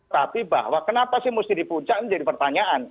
tapi bahwa kenapa sih mesti di puncak ini jadi pertanyaan